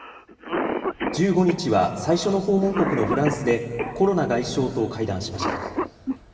１５日は最初の訪問国のフランスでコロナ外相と会談しました。